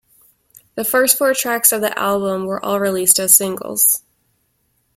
The first four tracks of the album were all released as singles.